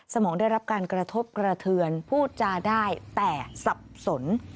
สมองได้รับการกระทบกระเทือนพูดจาได้แต่สับสน